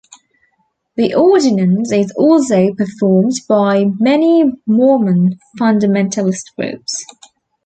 The ordinance is also performed by many Mormon fundamentalist groups.